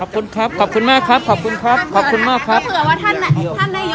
ไม่ปรึกษาเพราะว่าเดี๋ยวคือภาพการฝากคณะรัฐมนตรีออกมาเนี่ย